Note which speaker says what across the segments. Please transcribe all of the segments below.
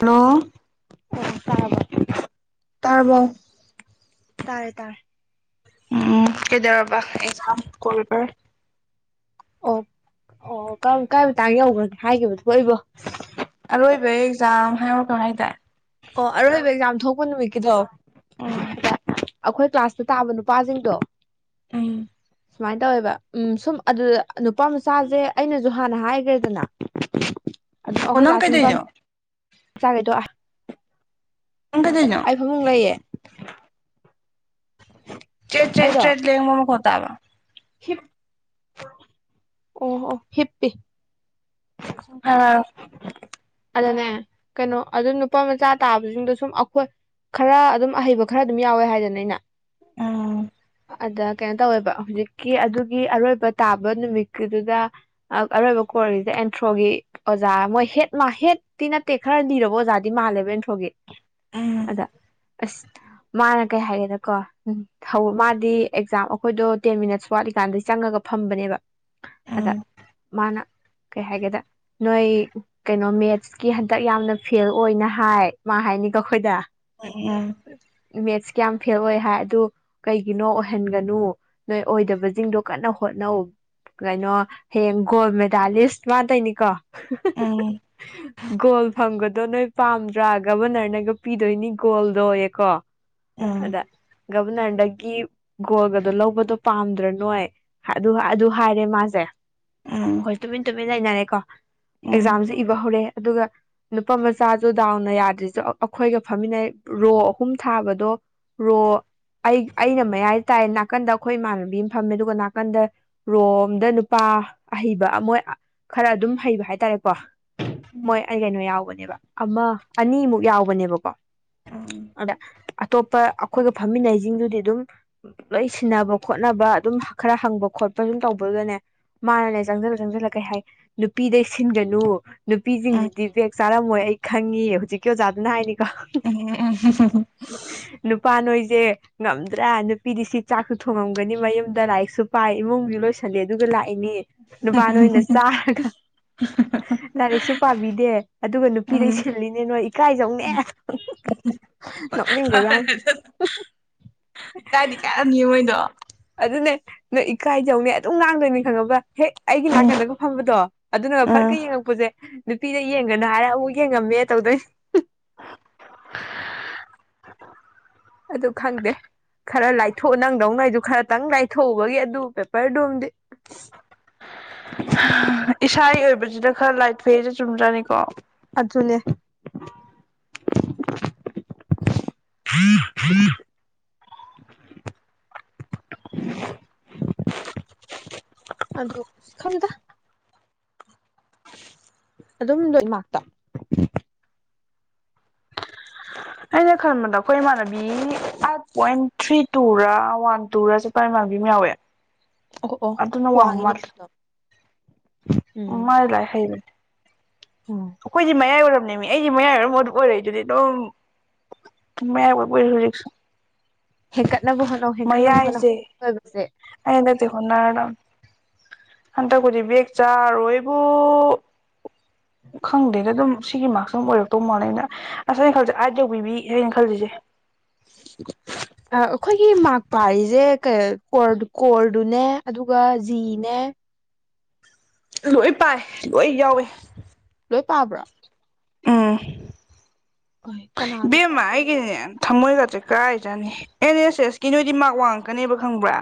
Speaker 1: hello
Speaker 2: ꯑ
Speaker 1: ꯇꯔꯔꯕꯣ
Speaker 2: ꯇꯥꯔꯦ ꯇꯥꯔꯦ
Speaker 1: ꯎꯝ ꯀꯩꯗꯔꯕꯥ ꯑꯦꯖꯝ ꯀꯣꯕꯔ
Speaker 2: ꯑꯣ ꯑꯣ ꯀꯔꯥꯏ ꯇꯥꯡ ꯌꯧꯈ꯭ꯔꯦ ꯍꯥꯏꯈꯤꯕꯗꯨꯣ ꯑꯩꯕꯣ
Speaker 1: ꯂꯣꯏꯕ ꯑꯦꯛꯖꯥꯝ ꯍꯥꯏꯔ ꯀꯥꯏꯇꯥ
Speaker 2: ꯑꯣ ꯑꯔꯣꯏꯕ ꯑꯦꯛꯖꯥꯝ ꯊꯣꯛꯄ ꯅꯨꯃꯤꯠꯀꯤꯗꯣ
Speaker 1: ꯎꯝ
Speaker 2: ꯑꯩꯈꯣꯏ ꯀ꯭ꯂꯥꯁꯇ ꯇꯥꯕ ꯅꯨꯄꯥꯁꯤꯡꯗꯣ
Speaker 1: ꯑ
Speaker 2: ꯁꯨꯃꯥꯏꯅ ꯇꯧꯋꯦꯕ ꯎꯝ ꯁꯨꯝ ꯑꯗꯨꯗ ꯅꯨꯄꯥ ꯃꯆꯥꯁꯦ ꯑꯩꯅꯁꯨ ꯍꯥꯟꯅ ꯍꯥꯏꯈ꯭ꯔꯦꯗꯅ
Speaker 1: ꯅꯪ ꯀꯩꯗꯩꯅꯣ
Speaker 2: ꯆꯥꯒꯗꯣꯛ
Speaker 1: ꯅꯪ ꯀꯩꯗꯩꯅꯣ
Speaker 2: ꯑꯩ ꯐꯃꯨꯡ ꯂꯩꯌꯦ
Speaker 1: ꯆꯦꯠ ꯆꯦꯠ
Speaker 2: ꯑꯩꯔꯣ
Speaker 1: ꯆꯦꯠ ꯂꯦꯡꯕ ꯃꯈꯣꯜ ꯇꯥꯕ
Speaker 2: ꯍꯤꯞ ꯑꯣ ꯑꯣ ꯍꯤꯞꯄꯤ
Speaker 1: ꯈꯪ [unintelligible]
Speaker 2: ꯑꯗꯅꯦ ꯀꯩꯅꯣ ꯑꯗꯨꯝ ꯅꯨꯄꯥ ꯃꯆꯥ ꯇꯥꯕꯁꯤꯡꯗꯣ ꯁꯨꯝ ꯑꯩꯈꯣꯏ ꯈꯔ ꯑꯗꯨꯝ ꯑꯍꯩꯕ ꯈꯔ ꯑꯗꯨꯝ ꯌꯥꯎꯋꯦ ꯍꯥꯏꯗꯅ ꯑꯩꯅ
Speaker 1: ꯎꯝ
Speaker 2: ꯑꯗ ꯀꯩꯅꯣ ꯇꯧꯋꯦꯕ ꯍꯧꯖꯤꯛꯀꯤ ꯑꯗꯨꯒꯤ ꯑꯔꯣꯏꯕ ꯇꯥꯕ ꯅꯨꯃꯤꯠꯀꯤꯗꯨꯗ ꯑꯔꯣꯏꯕ ꯀꯣꯔꯤꯖꯦ ꯑꯦꯟꯊ꯭ꯔꯣꯒꯤ ꯑꯣꯖꯥ ꯃꯣꯏ ꯍꯦꯠ ꯃꯥ ꯍꯦꯠ ꯇꯤ ꯅꯠꯇꯦꯛ ꯈꯔ ꯂꯤꯔꯕꯣ ꯑꯣꯖꯥꯗꯤ ꯃꯥꯜꯂꯦꯕ ꯑꯟ ꯍꯣꯒꯦ
Speaker 1: ꯎꯝ
Speaker 2: ꯑꯗ ꯑꯁ ꯃꯥꯅ ꯀꯩ ꯍꯥꯏꯒꯦꯗꯀꯣ ꯎꯝ ꯃꯥꯗꯤ ꯑꯦꯛꯖꯥꯝ ꯑꯩꯈꯣꯏꯗꯣ ꯇꯦꯟ ꯃꯤꯅꯠꯁ ꯋꯥꯠꯂꯤꯀꯥꯟꯗꯩ ꯆꯪꯉꯒ ꯐꯝꯕꯅꯦꯕ ꯑꯗ
Speaker 1: ꯎꯝ
Speaker 2: ꯃꯥꯅ ꯀꯩ ꯍꯥꯏꯒꯦꯗ ꯅꯣꯏ ꯀꯩꯅꯣ ꯃꯦꯠꯁꯀꯤ ꯍꯟꯗꯛ ꯌꯥꯝꯅ ꯐꯦꯜ ꯑꯣꯏꯅ ꯍꯥꯏ ꯃꯥ ꯍꯥꯏꯅꯤꯒ ꯑꯩꯈꯣꯏꯗ
Speaker 1: ꯑ
Speaker 2: ꯀꯌꯥꯝ ꯐꯦꯜ ꯑꯣꯏ ꯍꯥꯏ ꯑꯗꯨ ꯀꯩꯒꯤꯅꯣ ꯑꯣꯏꯍꯟꯒꯅꯨ ꯅꯣꯏ ꯑꯣꯏꯗꯕꯁꯤꯡꯗꯣ ꯀꯟꯅ ꯍꯣꯠꯅꯧ ꯀꯩꯅꯣ ꯍꯌꯦꯡ ꯒꯣꯜ ꯃꯦꯗꯥꯂꯤꯁ ꯃꯥꯇꯩꯅꯤꯀꯣ
Speaker 1: ꯎꯝ
Speaker 2: [inaudible] ꯒꯣꯜ ꯐꯪꯕꯗꯣ ꯅꯣꯏ ꯄꯥꯝꯗ꯭ꯔꯥ ꯒꯕꯔꯅꯔꯅꯒ ꯄꯤꯗꯣꯏꯅꯤ ꯒꯣꯜꯗꯣꯌꯦꯀꯣ
Speaker 1: ꯎꯝ
Speaker 2: ꯑꯗ ꯒꯞ ꯅꯗꯒꯤ ꯒꯣꯜꯒꯗꯣ ꯂꯧꯕꯗꯣ ꯄꯥꯝꯗ꯭ꯔꯥ ꯅꯣꯏ ꯑꯗꯨ ꯑꯗꯨ ꯍꯥꯏꯔꯦ ꯃꯥꯁꯦ
Speaker 1: ꯎꯝ
Speaker 2: ꯍꯣꯏ ꯇꯨꯃꯤꯟ ꯇꯨꯃꯤꯟ ꯂꯩꯅꯔꯦꯀꯣ
Speaker 1: ꯎꯝ
Speaker 2: ꯑꯦꯛꯖꯥꯝꯁꯦ ꯏꯕ ꯍꯧꯔꯛꯑꯦ ꯑꯗꯨꯒ ꯅꯨꯄꯥ ꯃꯆꯥꯁꯨ ꯗꯥꯎꯅ ꯌꯥꯗ꯭ꯔꯁꯨ ꯑꯩꯈꯣꯏꯒ ꯐꯝꯃꯤꯟꯅꯩ ꯔꯣ ꯑꯍꯨꯝ ꯊꯥꯕꯗꯣ ꯔꯣ ꯑꯩ ꯑꯩꯅ ꯃꯌꯥꯏ ꯇꯥꯏꯦ ꯅꯥꯀꯟꯗ ꯑꯩꯈꯣꯏ ꯏꯃꯥꯟꯅꯕꯤ ꯑꯃ ꯐꯝꯃꯦ ꯑꯗꯨꯒ ꯅꯥꯀꯟꯗ ꯔꯣ ꯑꯝꯗ ꯅꯨꯄꯥ ꯑꯍꯩꯕ ꯑꯃ ꯈꯔ ꯑꯗꯨꯝ ꯍꯩꯕ ꯍꯥꯏ ꯇꯔꯦ ꯄꯣ
Speaker 1: ꯎꯝ
Speaker 2: ꯃꯣꯏ ꯑꯩ ꯀꯩꯅꯣ ꯌꯥꯎꯕꯅꯤ ꯅꯦꯕ ꯑꯃ ꯑꯅꯤꯃꯨꯛ ꯌꯥꯎꯕꯅꯦꯕꯀꯣ
Speaker 1: ꯎꯝ
Speaker 2: ꯑꯗ ꯑꯇꯣꯞꯄ ꯑꯩꯈꯣꯏꯒ ꯐꯝꯃꯤꯟꯅꯩꯁꯤꯡꯗꯨꯗꯤ ꯑꯗꯨꯝ ꯂꯣꯏ ꯁꯤꯟꯅꯕ ꯈꯣꯠꯅꯕ ꯑꯗꯨꯝ ꯈꯔ ꯍꯪꯕ ꯈꯣꯠꯄ ꯑꯗꯨꯝ ꯇꯧꯕꯗꯨꯒꯅꯦ ꯃꯥꯅꯅꯦ ꯆꯪꯁꯤꯜꯂ ꯆꯪꯁꯤꯜꯂ ꯀꯩ ꯍꯥꯏ ꯅꯨꯄꯤꯗꯩ ꯁꯤꯟꯒꯅꯨ
Speaker 1: ꯎꯝ
Speaker 2: ꯅꯨꯄꯤꯖꯤꯡꯁꯤꯗꯤ ꯖꯦꯛ ꯆꯥꯔꯝꯃꯣꯏ ꯑꯩ ꯈꯪꯉꯤ ꯍꯧꯖꯤꯛꯀꯤ ꯑꯣꯖꯥꯗꯨꯅ ꯍꯥꯏꯅꯤ
Speaker 1: [inaudible]
Speaker 2: ꯁꯦ ꯉꯝꯗ꯭ꯔꯥ ꯅꯨꯄꯤꯗꯤ ꯁꯤ ꯆꯥꯛꯁꯨ ꯊꯣꯡꯉꯝꯒꯅꯤ ꯃꯌꯨꯝꯗ ꯂꯥꯏꯔꯤꯛꯁꯨ ꯄꯥꯏ ꯏꯃꯨꯡꯖꯨ ꯂꯣꯏꯁꯤꯜꯂꯤ ꯑꯗꯨꯒ ꯂꯥꯛꯏ ꯑꯩꯅꯦ ꯅꯨꯄꯥ ꯅꯣꯏꯅ ꯆꯥꯔꯒ ꯂꯥꯏꯔꯤꯛꯁꯨ ꯄꯥꯕꯤꯗꯦ ꯑꯗꯨꯒ ꯅꯨꯄꯤꯗꯩ
Speaker 1: ꯎꯝ
Speaker 2: ꯁꯤꯜꯂꯤꯅꯦ ꯅꯣꯏ ꯏꯀꯥꯏꯖꯧꯅꯦ ꯅꯣꯛꯅꯤꯡꯒꯖꯥꯅꯤ
Speaker 1: ꯇ
Speaker 2: ꯑꯗꯨꯅꯦ ꯅꯣꯏ ꯏꯀꯥꯏꯖꯧꯅꯦ ꯑꯗꯨꯝ ꯉꯥꯡꯗꯣꯏꯅꯤ ꯈꯪꯉꯕ꯭ꯔ ꯍꯦꯛ ꯑꯩꯒꯤ
Speaker 1: ꯎꯝ
Speaker 2: ꯅꯥꯀꯟꯗꯒ ꯐꯝꯕꯗꯣ ꯑꯗꯨꯅꯒ
Speaker 1: ꯎꯝ
Speaker 2: ꯐꯔꯠꯀ ꯌꯦꯡꯉꯛꯄꯁꯦ ꯅꯨꯄꯤꯗ ꯌꯦꯡꯒꯅꯨ ꯍꯥꯏꯔꯦ ꯑꯃꯨꯛ ꯌꯦꯡꯉꯝꯃꯦ ꯇꯧꯗꯣꯏꯅꯤ ꯑꯗꯨ ꯈꯪꯗꯦ ꯈꯔ ꯂꯥꯏꯊꯣꯛ ꯅꯪꯗꯧꯉꯩꯗꯨ ꯈꯔꯇꯪ ꯂꯥꯏꯊꯣꯛꯎꯕꯒꯤ ꯑꯗꯨ ꯄꯦꯄꯔꯗꯨꯝꯗꯤ
Speaker 1: ꯏꯁꯥꯒꯤ ꯑꯣꯏꯕꯁꯤꯗ ꯈꯔ ꯂꯥꯏꯠ ꯐ ꯆꯨꯝꯗ꯭ꯔꯥꯅꯤꯀꯣ
Speaker 2: ꯑꯗꯨꯗ ꯁꯤ ꯈꯝꯗ ꯑꯗꯨꯝ ꯂꯃꯥꯛꯛꯇ
Speaker 1: ꯑꯩꯅ ꯈꯟꯕꯗ ꯑꯩꯈꯣꯏ ꯏꯃꯥꯟꯅꯕꯤ ꯑꯥꯏꯠ ꯄꯣꯏꯟ ꯊ꯭ꯔꯤ ꯇꯨꯔ ꯋꯥꯟ ꯇꯨꯔ ꯆꯠꯄ ꯏꯃꯥꯟꯅꯕꯤ ꯑꯃ ꯌꯥꯎꯋꯦ
Speaker 2: ꯑꯣ ꯑꯣ
Speaker 1: ꯑꯗꯨꯅ
Speaker 2: ꯋꯥꯡꯉꯤꯅꯦ
Speaker 1: ꯋꯥꯉꯃꯔꯦ
Speaker 2: ꯑꯗꯨꯝ
Speaker 1: ꯎ
Speaker 2: ꯎꯝ
Speaker 1: ꯃꯥꯥꯏ ꯂꯩ ꯍꯩ ꯈꯣꯏꯗꯤ ꯃꯌꯥꯝ ꯃꯤ ꯑꯩꯁꯦ ꯃꯌꯥꯏ ꯑꯣꯏꯔꯝ ꯃ ꯑꯗꯨ ꯑꯣꯏꯔꯛꯏ ꯑꯗꯨꯗꯤ ꯑꯗꯨꯝ ꯃꯌꯥꯏ ꯑꯣꯏ ꯑꯣꯏꯔꯁꯨ ꯍꯧꯖꯤꯛꯁꯨ
Speaker 2: ꯍꯦꯟꯀꯠꯅꯕ ꯍꯣꯠꯅꯧ
Speaker 1: ꯃꯩ
Speaker 2: ꯍꯦꯟꯀꯠꯅꯕ ꯍꯣꯠꯅꯧ
Speaker 1: ꯍꯥꯏꯖꯦ
Speaker 2: ꯑꯣꯏꯕꯁꯦ
Speaker 1: ꯑꯩꯅꯗꯤ ꯍꯅꯗꯥ ꯍꯟꯇ ꯀꯗꯤꯕꯤꯦꯛ ꯆꯥꯔ ꯑꯩꯕꯨ ꯈꯪꯗꯦꯗ ꯑꯗꯨꯝ ꯁꯤꯒꯤ ꯃꯥꯔꯛꯁ ꯑꯗꯨꯝ ꯑꯣꯏꯔꯛꯇꯧ ꯃꯣꯅꯦ ꯑꯩꯅ ꯑꯁ ꯑꯩꯅ ꯈꯜꯁꯦ ꯑꯥꯏꯠ ꯌꯧꯕꯤꯕꯤ ꯁꯅ ꯈꯜꯂꯤꯁꯦ
Speaker 2: ꯑꯩꯈꯣꯏꯒꯤ ꯃꯥꯥꯛ ꯄꯔꯤꯁꯦ ꯀꯣꯔ ꯀꯣꯔꯗꯨꯅꯦ ꯑꯗꯨꯒ ꯖꯤꯅꯦ
Speaker 1: ꯂꯣꯏ ꯄꯥꯏ ꯂꯣꯏ ꯌꯥꯎꯋꯦ
Speaker 2: ꯂꯩ ꯇꯥꯕ꯭ꯔꯥ
Speaker 1: ꯎꯝ
Speaker 2: ꯀꯅꯥꯅꯣ
Speaker 1: ꯦꯝꯃ ꯑꯩꯒ ꯊꯝꯃꯣꯏꯒꯥꯁꯦ ꯀꯥꯏ ꯆꯥꯅꯤ ꯑꯦꯟ ꯑꯦꯁ ꯑꯦꯁꯀꯤ ꯅꯣꯏꯗꯤ ꯃꯔ ꯋꯥꯡꯉꯛꯀꯅꯦꯕ ꯈꯪꯕ꯭ꯔꯥ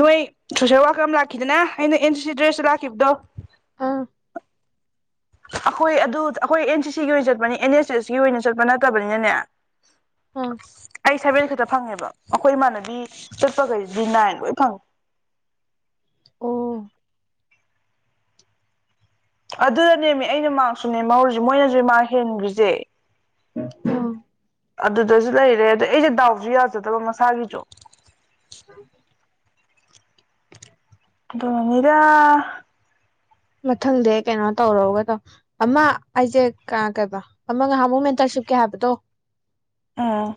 Speaker 1: ꯅꯣꯏ ꯁꯣꯁꯦꯜ ꯋꯥꯔꯀꯔ ꯑꯃ ꯂꯥꯛꯈꯤꯗꯅ ꯑꯩꯅ ꯑꯦꯟ ꯁꯤ ꯁꯤ ꯗ꯭ꯔꯦꯁꯇ ꯂꯥꯛꯈꯤꯕꯗꯣ
Speaker 2: ꯑꯥ
Speaker 1: ꯑꯩꯈꯣꯏ ꯑꯗꯨ ꯑꯩꯈꯣꯏ ꯑꯦꯟ ꯁꯤ ꯁꯤꯒꯤ ꯑꯣꯏꯅ ꯆꯠꯄꯅꯤ ꯑꯦꯟ ꯑꯦꯁ ꯑꯦꯁꯀꯤ ꯑꯣꯏꯅ ꯆꯠꯄ ꯅꯠꯇꯕꯅꯤꯅꯅꯦ
Speaker 2: ꯑꯥ
Speaker 1: ꯑꯩ ꯁꯚꯦꯟ ꯈꯛꯇ ꯐꯪꯉꯦꯕ ꯑꯩꯈꯣꯏ ꯏꯃꯥꯟꯅꯕꯤ ꯆꯠꯄꯈꯩꯁꯤꯗꯤ ꯅꯥꯏꯟ ꯂꯣꯏ ꯐꯪꯉꯦ
Speaker 2: ꯑꯣ
Speaker 1: ꯑꯗꯨꯗ ꯅꯦꯝꯃꯦ ꯑꯩꯅ ꯃꯥꯁꯨ ꯅꯦꯝꯃ ꯍꯧꯧꯔꯤꯁꯦ ꯃꯣꯏꯅꯁꯨ ꯏꯃꯥ ꯍꯦꯟꯈ꯭ꯔꯤꯁꯦ
Speaker 2: ꯑꯥ
Speaker 1: ꯑꯗꯨꯗꯁꯨ ꯂꯩꯔꯦ ꯑꯗ ꯑꯩꯁꯦ ꯗꯥꯎꯁꯨ ꯌꯥꯖꯗꯕ ꯃꯁꯥꯒꯤꯁꯨ
Speaker 2: [unintelligible]
Speaker 1: ꯑꯗꯨꯒꯤꯅꯤꯗ
Speaker 2: ꯃꯊꯪꯗꯩ ꯀꯩꯅꯣ ꯇꯧꯔꯣꯒ ꯇꯧ ꯑꯃ ꯑꯩꯁꯦ ꯀꯩꯕ ꯑꯃ ꯅꯍꯥꯟꯃꯨꯛ ꯃꯦꯟꯇꯔꯁꯤꯞꯀꯤ ꯍꯥꯏꯕꯗꯣ
Speaker 1: ꯎꯝ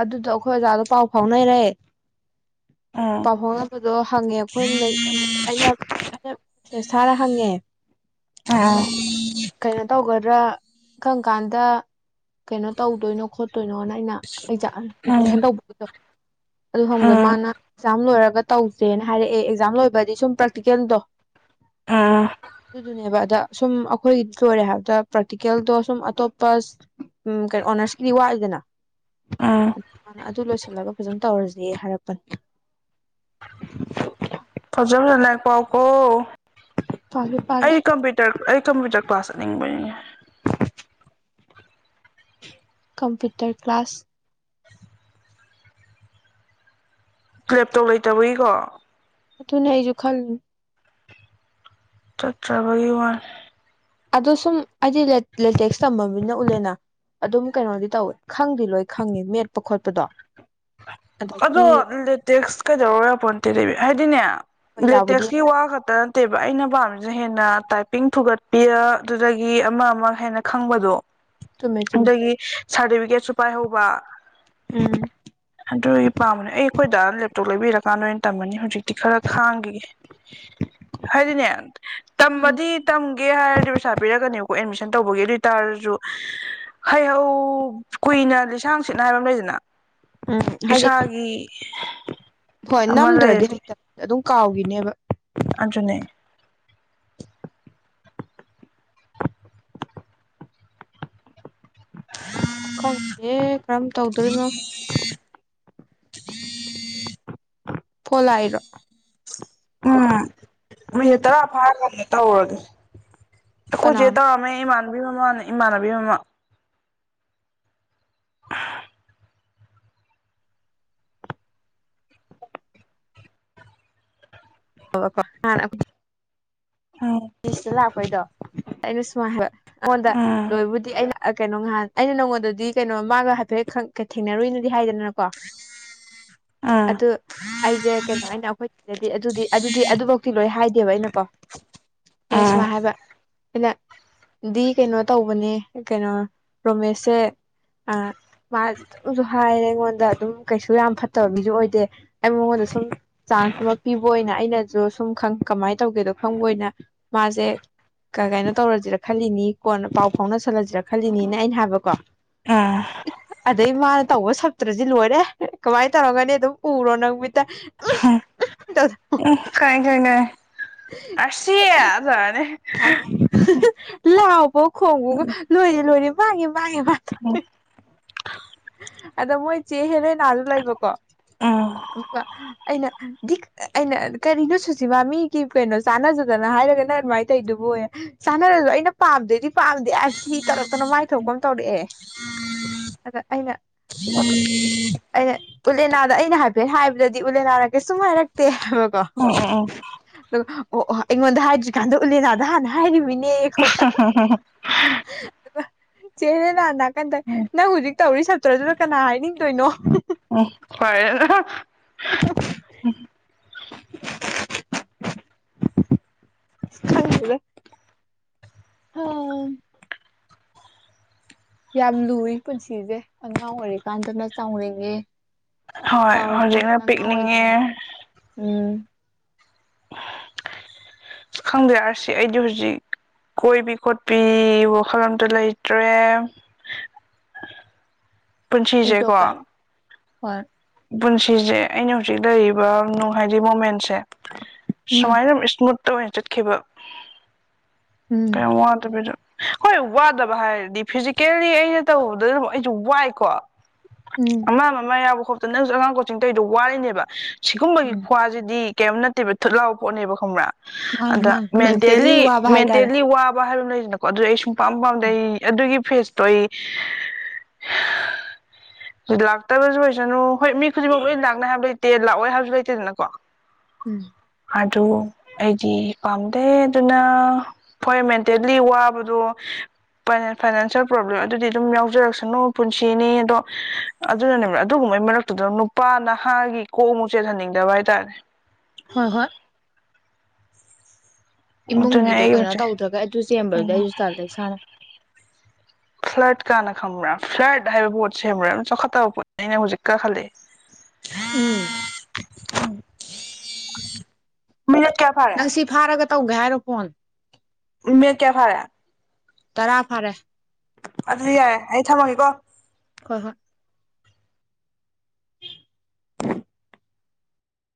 Speaker 2: ꯑꯗꯨꯗꯣ ꯑꯈꯣꯏ ꯑꯣꯖꯥꯗꯣ ꯄꯥꯎ ꯐꯥꯎꯅꯔꯦ
Speaker 1: ꯎꯝ
Speaker 2: ꯄꯥꯎ ꯐꯥꯎꯅꯕꯗꯣ ꯍꯪꯉꯦ ꯑꯈꯣꯏ ꯑꯩꯅ ꯑꯩꯅ ꯃꯦꯁꯦꯁ ꯊꯥꯔ ꯍꯪꯉꯦ
Speaker 1: ꯎꯝ
Speaker 2: ꯀꯩꯅꯣꯇꯧꯒꯗ꯭ꯔ [unintelligible] ꯀꯪ ꯀꯥꯟꯗ ꯀꯩꯅꯣ ꯇꯧꯗꯣꯏꯅꯣ ꯈꯣꯠꯇꯣꯏꯅꯣꯅ ꯑꯩꯅ ꯑꯩ [unintelligible]
Speaker 1: ꯎꯝ
Speaker 2: ꯇꯨꯏꯁꯟ [unintelligible] ꯑꯗꯨ ꯍꯪꯕꯗꯣ
Speaker 1: ꯎꯝ
Speaker 2: ꯃꯥꯅ ꯑꯦꯛꯖꯥꯝ ꯂꯣꯏꯔ ꯇꯧꯁꯦꯅ ꯍꯥꯏꯔꯛꯑꯦ ꯑꯦꯛꯖꯥꯝ ꯂꯣꯏꯕꯗꯤ ꯁꯨꯝ ꯄ꯭ꯔꯦꯛꯇꯤꯀꯦꯜꯗꯣ
Speaker 1: ꯎꯝ
Speaker 2: ꯑꯗꯨꯗꯨꯅꯦꯕ ꯑꯗ ꯁꯨꯝ ꯑꯈꯣꯏꯒꯤꯗꯤ ꯂꯣꯏꯔꯦ ꯍꯥꯏꯕꯗ ꯄ꯭ꯔꯦꯇꯤꯀꯦꯜꯗꯣ ꯁꯨꯝ ꯑꯇꯣꯞꯄ ꯎꯝ ꯀꯩꯅꯣ ꯑꯣꯅꯔꯁꯀꯤ ꯋꯥꯠꯂꯤꯗꯅ
Speaker 1: ꯎꯝ
Speaker 2: ꯑꯗꯨ ꯂꯣꯏꯁꯤꯜꯂꯒ ꯐꯖꯟ ꯇꯧꯔꯁꯦ ꯍꯥꯏꯔꯛꯄꯅꯤ [unintelligible]
Speaker 1: [unintelligible] ꯄꯥꯎ ꯀꯣ
Speaker 2: ꯄꯥꯒꯦ ꯄꯥꯒꯦ
Speaker 1: ꯑꯩꯒꯤ ꯀꯝꯄ꯭ꯌꯨꯇꯔ ꯑꯩ ꯀꯝꯄ꯭ꯌꯨꯇꯔ ꯀ꯭ꯂꯥꯁ ꯆꯠꯅꯤꯡꯕꯅꯤ
Speaker 2: ꯀꯝꯄ꯭ꯌꯨꯇꯔ ꯀ꯭ꯂꯥꯁ
Speaker 1: ꯂꯦꯞꯇꯣꯞ ꯂꯩꯇꯕꯩꯀꯣ
Speaker 2: ꯑꯗꯨꯅꯦ ꯑꯩꯁꯨ ꯈꯜꯂꯤ
Speaker 1: ꯆꯠꯇ꯭ꯔꯕꯒꯤ ꯋꯥꯅꯤ
Speaker 2: ꯑꯗꯣ ꯁꯨꯝ ꯑꯩꯗꯤ ꯂꯦꯇꯦꯛꯁ ꯇꯝꯃꯃꯤꯅ ꯎꯠꯂꯦꯅ ꯑꯗꯨꯝ ꯀꯩꯅꯣꯗꯤ ꯇꯧꯋꯦ ꯈꯪꯗꯤ ꯂꯣꯏ ꯈꯪꯉꯦ ꯃꯦꯠꯄ ꯈꯣꯠꯄꯗꯣ
Speaker 1: ꯑꯗꯣ
Speaker 2: ꯑꯗꯒꯤ
Speaker 1: ꯂꯦꯇꯦꯛꯁ ꯀꯩꯗꯧꯔ ꯌꯥꯄꯣꯠꯇꯦ ꯍꯥꯏꯗꯤꯅꯦ
Speaker 2: ꯍꯣꯏ ꯌꯥꯕꯨꯗꯤ
Speaker 1: ꯂꯦꯇꯦꯛꯁꯀꯤ ꯋꯥ ꯈꯛꯇ ꯅꯠꯇꯦꯕ ꯑꯩꯅ ꯄꯥꯝꯃꯤ ꯑꯗꯨ ꯍꯦꯟꯅ ꯇꯥꯏꯄꯤꯡ ꯊꯨꯒꯠꯄꯤ ꯑꯗꯨꯗꯒꯤ ꯑꯃ ꯑꯃ ꯍꯦꯟꯅ ꯈꯪꯕꯗꯣ
Speaker 2: ꯆꯨꯝꯃꯦ ꯆꯨꯝꯃꯦ
Speaker 1: ꯑꯗꯒꯤ ꯁꯥꯔꯇꯤꯐꯤꯀꯦꯠꯁꯨ ꯄꯥꯏꯍꯧꯕ
Speaker 2: ꯎꯝ
Speaker 1: ꯑꯗꯨꯒꯤ ꯄꯥꯝꯕꯅꯦ ꯑꯩ ꯑꯈꯣꯏꯗꯥꯅ ꯂꯦꯞꯇꯣꯞ ꯂꯩꯕꯤꯔꯀꯥꯟꯗ ꯑꯣꯏꯅ ꯇꯝꯃꯅꯤ ꯍꯧꯖꯤꯛꯇꯤ ꯈꯔ ꯈꯥꯡꯒꯤꯒꯦ ꯍꯥꯏꯗꯤꯅꯦ
Speaker 2: ꯎꯝ
Speaker 1: ꯇꯝꯃꯗꯤ ꯇꯝ ꯒꯦ ꯍꯥꯏꯔꯗꯤ ꯄꯩꯁꯥ ꯄꯤꯔꯛꯀꯅꯦꯕꯀꯣ ꯑꯦꯗꯃꯤꯁꯟ ꯇꯧꯕꯒꯤ ꯑꯗꯨꯏꯇꯥꯔꯒꯁꯨ ꯍꯩꯍꯧ ꯀꯨꯏꯅ ꯂꯤꯁꯥꯡ ꯁꯤꯠꯅ ꯍꯥꯏꯕ ꯑꯃ ꯂꯩꯗꯅ
Speaker 2: ꯎꯝ ꯍꯥꯏꯗꯤ
Speaker 1: ꯏꯁꯥꯒꯤ
Speaker 2: ꯍꯣꯏ
Speaker 1: ꯑꯃ
Speaker 2: ꯅꯝꯗ꯭ꯔꯗꯤ
Speaker 1: ꯂꯩꯔꯗꯤ
Speaker 2: ꯍꯩꯇꯕꯅꯤ ꯑꯗꯨꯝ ꯀꯥꯎꯒꯤꯅꯦꯕ
Speaker 1: ꯑꯗꯨꯅꯦ
Speaker 2: ꯈꯪꯗꯦ ꯀꯔꯝ ꯇꯧꯗꯣꯔꯤꯅꯣ
Speaker 1: [inaudible]
Speaker 2: ꯐꯣꯂꯥꯏꯔꯣ
Speaker 1: ꯎꯝ ꯃꯤꯅꯤ ꯇꯔꯥ ꯐꯥꯔꯒ ꯇꯧꯔꯗꯤ ꯑꯈꯣꯆꯦ
Speaker 2: ꯀꯅꯥꯅꯣ
Speaker 1: ꯇꯔꯃꯦ ꯏꯃꯥꯅ ꯏꯃꯥꯟꯅꯕꯤ ꯃꯃꯥꯅꯦ ꯏꯃꯥꯟꯅꯕꯤ ꯃꯃꯥ
Speaker 2: [unintelligible]
Speaker 1: ꯎꯝ
Speaker 2: ꯂꯤꯁꯇ ꯂꯥꯛꯄꯩꯗꯣ ꯑꯩꯅ ꯁꯨꯃꯥ ꯍꯥꯢꯕ ꯑꯩꯉꯣꯟꯗ
Speaker 1: ꯎꯝ
Speaker 2: ꯂꯣꯏꯕꯨꯗꯤ ꯑꯩꯅ ꯀꯩꯅꯣ ꯉꯍꯥꯟ ꯑꯩꯅ ꯅꯣꯡꯉꯣꯟꯗꯗꯤ ꯀꯩꯅꯣ ꯃꯥꯒ ꯍꯥꯏꯐꯦꯠ ꯊꯦꯡꯅꯔꯨꯅꯗꯤ ꯍꯥꯏꯗꯅ
Speaker 1: ꯎꯝ
Speaker 2: ꯑꯗꯨ ꯑꯩꯁꯦ ꯀꯩꯅꯣ ꯑꯩꯅ ꯑꯩꯈꯣꯏꯗꯗꯤ ꯑꯗꯨꯗꯤ ꯑꯗꯨꯗꯤ ꯑꯗꯨꯐꯧꯛꯇꯤ ꯂꯣꯏ ꯍꯥꯏ ꯀꯥꯏꯅ ꯋꯥ
Speaker 1: ꯎꯝ
Speaker 2: ꯁꯃꯥ ꯍꯥꯏꯕ ꯑꯩꯅ ꯗꯤ ꯀꯩꯅꯣ ꯇꯧꯕꯅꯦ ꯀꯩꯅꯣ ꯔꯣꯃꯦꯁꯁꯦ ꯃꯥ ꯑꯗꯨꯁꯨ ꯍꯥꯏꯔꯦ ꯑꯩꯉꯣꯟꯗ ꯑꯗꯨꯝ ꯀꯩꯁꯨ ꯌꯥꯝ ꯐꯠꯇꯕ ꯃꯤꯁꯨ ꯑꯣꯏꯗꯦ ꯑꯩ ꯃꯉꯣꯟꯗ ꯁꯨꯝ ꯆꯥꯟꯁ ꯑꯃ ꯄꯤꯕ ꯑꯣꯏꯅ ꯑꯩꯅꯁꯨ ꯁꯨꯝ ꯈꯪ ꯀꯃꯥꯏꯅ ꯇꯧꯒꯦꯗꯣ ꯈꯪꯕ ꯑꯣꯏꯅ ꯃꯥꯁꯦ ꯀ ꯀꯥꯏꯅꯣ ꯇꯧꯔꯁꯤꯔꯥ ꯈꯜꯂꯤꯅꯤ ꯀꯣꯟꯅ ꯄꯥꯎ ꯐꯥꯎꯅꯁꯜꯂꯁꯤꯔꯥ ꯈꯜꯂꯤꯅꯤꯅ ꯑꯩꯅ ꯍꯥꯏꯕꯀꯣ
Speaker 1: ꯎꯝ
Speaker 2: ꯑꯗꯩ ꯃꯥꯅ ꯇꯧꯕ ꯁꯛꯇ꯭ꯔꯁꯤ ꯂꯣꯏꯔꯦ ꯀꯃꯥꯏꯅ ꯇꯧꯔꯒꯅꯤ ꯑꯗꯨꯝ ꯎꯔꯣ ꯅꯪ ꯃꯤꯠꯇ
Speaker 1: ꯎꯝ ꯀꯥꯏ ꯀꯥꯏ ꯀꯥꯏ ꯑꯁꯤꯖꯅꯦ
Speaker 2: ꯑꯣ ꯈꯣꯡꯕꯒ ꯂꯣꯏꯔꯦ ꯂꯣꯏꯔꯦ ꯃꯥꯒꯤ ꯄꯏ ꯃꯥ
Speaker 1: ꯎꯝ
Speaker 2: ꯑꯗ ꯃꯣꯏ ꯆꯦꯍꯔꯦꯟ ꯁꯨ ꯂꯩꯕꯀꯣ
Speaker 1: ꯎꯝ
Speaker 2: ꯑꯗꯨꯒ ꯑꯩꯅ ꯗꯤꯛ ꯑꯩꯅ ꯀꯔꯤꯅꯣ ꯁꯨꯁꯤꯃꯥ ꯃꯤꯒꯤ ꯀꯩꯅꯣ ꯆꯥꯟꯅꯖꯗꯅ ꯍꯥꯏꯔꯒꯅ ꯑꯗꯨꯃꯥꯏꯅ ꯇꯧꯗꯨꯕꯨ ꯑꯣꯏꯌꯦ ꯆꯥꯟꯅꯔꯁꯨꯣ ꯑꯩꯅ ꯄꯥꯝꯗꯩꯗꯤ ꯄꯥꯝꯗꯦ ꯑꯁ ꯁꯤ ꯇꯧꯔꯛꯇꯅ ꯃꯥꯏꯊꯣꯛꯄ ꯑꯃ ꯇꯧꯔꯛꯑꯦ ꯑꯗ ꯑꯩꯅ
Speaker 1: ꯎꯝ
Speaker 2: ꯎꯠꯂꯦꯅꯥꯗ ꯑꯩꯅ ꯍꯥꯏꯐꯦꯠ ꯍꯥꯏꯕꯗꯗꯤ ꯎꯠꯂꯦꯅꯥꯅ ꯀꯩꯁꯨꯨꯝ ꯍꯥꯏꯔꯛꯇꯦ
Speaker 1: ꯑꯣ ꯑꯣ ꯑꯣ
Speaker 2: ꯑꯣ ꯑꯣ ꯑꯩꯉꯣꯟꯗ ꯍꯥꯏꯗ꯭ꯔꯤꯀꯥꯟꯗ ꯎꯂꯦꯅꯥꯗ ꯍꯥꯟꯅ ꯍꯥꯏꯔꯤꯃꯤꯅꯦ
Speaker 1: ꯍ ꯍ ꯍ ꯍ ꯍ
Speaker 2: ꯗꯨꯒ ꯆꯦ ꯍꯦꯂꯦꯅꯥꯅ ꯅꯥꯀꯟꯗꯩ
Speaker 1: ꯎꯝ
Speaker 2: ꯅꯪ ꯍꯨꯖꯤꯛ ꯇꯧꯔꯤ ꯁꯞꯇ꯭ꯔꯗꯨꯗ ꯀꯅꯥ ꯍꯥꯏꯅꯤꯡꯗꯣꯏꯅꯣ
Speaker 1: ꯎꯝ ꯐꯔꯦꯅ
Speaker 2: ꯁ ꯈꯪꯗꯦꯗ ꯍ ꯌꯥꯝ ꯂꯨꯏ ꯄꯨꯟꯁꯤꯁꯦ ꯑꯉꯥꯡ ꯑꯣꯏꯔꯤꯀꯥꯟꯗꯅ ꯆꯥꯎꯅꯤꯡꯉꯤ
Speaker 1: ꯍꯣꯏ ꯍꯧꯖꯤꯛꯅ ꯄꯤꯛꯅꯤꯡꯉꯦ
Speaker 2: ꯑꯣꯏꯅꯤꯡꯉꯦ ꯎꯝ
Speaker 1: ꯈꯪꯗꯦ ꯔꯥꯁꯤ ꯑꯩꯗꯤ ꯍꯧꯖꯤꯛ ꯀꯣꯏꯕꯤ ꯈꯣꯠꯄꯤ ꯋꯥꯈꯜ ꯑꯝꯇ ꯂꯩꯇ꯭ꯔꯦ
Speaker 2: ꯑꯩꯁꯨ
Speaker 1: ꯄꯨꯟꯁꯤꯁꯦꯀꯣ
Speaker 2: ꯀꯩꯝ ꯍꯣꯏ
Speaker 1: ꯄꯨꯟꯁꯤꯁꯦ ꯑꯩꯅ ꯍꯧꯖꯤꯛ ꯂꯩꯔꯤꯚ ꯅꯡꯅꯨꯡ ꯍꯥꯏꯥꯏꯗꯤ ꯃꯣꯃꯦꯟꯁꯦ
Speaker 2: ꯎꯝ
Speaker 1: ꯁꯨꯃꯥꯏꯅ ꯏꯁꯃꯨꯠ ꯇ ꯑꫭꯏꯅ ꯆꯠꯈꯤꯕ
Speaker 2: ꯎꯝ
Speaker 1: ꯀꯩꯝ ꯋꯥꯗꯕꯤꯗ ꯍꯣꯏ ꯋꯥꯗꯕ ꯍꯥꯏꯔꯗꯤ ꯐꯤꯖꯤꯀꯦꯜꯂꯤ ꯑꯩꯅ ꯇꯧꯕꯗ ꯑꯗꯨꯝ ꯑꯩꯁꯨ ꯋꯥꯏꯀꯣ
Speaker 2: ꯎꯝ
Speaker 1: ꯑꯃ ꯃꯃꯥꯏ ꯌꯥꯎꯕ ꯈꫭꯠ ꯀ ꯅꯪꯁꯨ ꯑꯉꯥꯡ ꯀꯣꯆꯤꯡ ꯇꯧꯔꯤꯗꯣ ꯋꯥꯔꯤꯅꯦꯕ ꯁꯤꯒꯨꯝꯕꯒꯤ
Speaker 2: ꯎꯝ
Speaker 1: ꯈꯨ꯭ꯋꯥꯁꯤꯗꯤ ꯀꯩꯝ ꯅꯠꯇꯦꯕ ꯊꯨꯠ ꯂꯥꯎꯕ ꯄꯣꯠꯅꯦꯕ ꯈꯪꯕ꯭ꯔꯥ
Speaker 2: ꯃꯥꯅꯤ
Speaker 1: ꯑꯗ
Speaker 2: ꯃꯥꯅꯤ ꯃꯦꯟꯇꯦꯜꯂꯤ
Speaker 1: ꯃꯦꯟꯇꯦꯂꯤ
Speaker 2: ꯋꯥꯕ
Speaker 1: ꯃꯦꯟ
Speaker 2: ꯍꯥꯏꯇꯥꯔꯦ
Speaker 1: ꯇꯦꯂꯤ ꯋꯥ ꯋꯥ ꯍꯥꯏꯕ ꯃ ꯂꯩꯗꯅꯀꫭ ꯑꯗꯨꯗꯤ ꯑꯩ ꯁꯨꯡ ꯄꯥꯝ ꯄꯥꯝꯗꯦ ꯑꯩ ꯑꯗꯨꯒꯤ ꯐꯦꯖꯇꯣ ꯑꯩ ꯂꯥꯛꯇꯕꯁꯨ ꯑꯣꯏꯁꯅꯨ ꯍꯣꯏ ꯃꯤ ꯈꯨꯗꯤꯡꯃꯛ ꯂꯣꯏ ꯂꯥꯛꯅꯤꯕ ꯍꯥꯏꯕ ꯂꯩ ꯇꯦ ꯂꯥꯛꯑꯣꯏ ꯍꯥꯏꯕꯁꯨ ꯂꯩꯇꯦꯗꯅꯀꯣ
Speaker 2: ꯎꯝ
Speaker 1: ꯑꯗꯨ ꯑꯩꯗꯤ ꯄꯥꯝꯗꯦ ꯑꯗꯨꯅ ꯍꯣꯏ ꯃꯦꯟꯇꯦꯜꯂꯤ ꯋꯥꯕꯗꯣ ꯐꯥꯏꯅꯥꯟꯁꯤꯌꯦꯜ ꯄ꯭ꯔꯣꯕ꯭ꯂꯦꯝ ꯑꯗꯨꯗꯤ ꯑꯗꯨꯝ ꯌꯥꯎꯖꯔꯛꯁꯅꯨ ꯄꯨꯟꯁꯤꯅꯤ ꯑꯗꯣ ꯑꯗꯨꯅꯅꯦꯕ ꯑꯗꯨꯒꯨꯝꯕꯩ ꯃꯔꯛꯇꯨꯗ ꯅꯨꯄꯥ ꯅꯍꯥꯒꯤ ꯀꯣꯛ ꯑꯃꯨꯛ ꯆꯦꯟꯖꯟꯅꯤꯡꯗꯕ ꯍꯥꯏꯇꯥꯔꯦ
Speaker 2: ꯍꯣꯏ ꯍꯣꯏ
Speaker 1: ꯑꯗꯨꯅꯦ
Speaker 2: ꯏꯃꯨꯡꯒꯤꯗꯣ
Speaker 1: ꯑꯩꯒꯤ
Speaker 2: ꯀꯩꯅꯣ
Speaker 1: ꯃꯣꯠꯁꯦ
Speaker 2: ꯇꯧꯗ꯭ꯔꯒ ꯑꯗꯨ ꯆꯦꯟꯕꯗꯨꯗꯤ
Speaker 1: ꯎꯝ
Speaker 2: ꯑꯩꯁꯨ ꯇꯜꯂꯦ ꯏꯁꯥꯅ
Speaker 1: ꯐ꯭ꯂꯔꯠ ꯀꯥꯅ ꯈꯪꯕ꯭ꯔꯥ ꯐ꯭ꯂꯔꯠ ꯍꯥꯏꯕ ꯄꯣꯠꯁꯦ ꯈꯪꯕ꯭ꯔꯥ ꯆꯥꯎꯈꯠꯇꯕ ꯄꯣꯠꯅꯦꯅ ꯑꯩꯅ ꯍꯧꯖꯤꯛꯇ ꯈꯜꯂꯛꯑꯦ
Speaker 2: ꯎꯝ
Speaker 1: ꯎꯝ
Speaker 2: ꯅꯪ ꯁꯤ ꯐꯍꯥꯔꯒ ꯇꯧꯒꯦ ꯍꯥꯏꯔꫭ ꯐꯣꯟ
Speaker 1: ꯅꯦꯠ ꯀꯌꯥ ꯐꯥꯔꯦ
Speaker 2: ꯇꯔꯥ ꯐꯥꯔꯦ
Speaker 1: ꯑꯗꯨꯗꯤ ꯌꯥꯏꯦ ꯑꯩ ꯊꯝꯃꯒꯦꯀꯣ
Speaker 2: ꯍ ꯍꯣꯏ